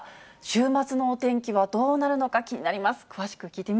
週末のお天気はどうなるのか気になります。